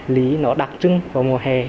lý nó đặc trưng vào mùa hè